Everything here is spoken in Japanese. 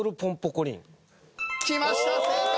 きました正解！